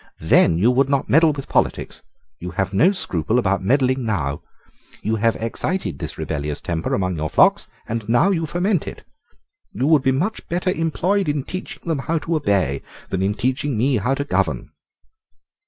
Then you would not meddle with politics. You have no scruple about meddling now. You have excited this rebellious temper among your flocks, and now you foment it. You would be better employed in teaching them how to obey than in teaching me how to govern."